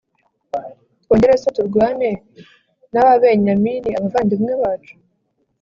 twongere se turwane n'ababenyamini, abavandimwe bacu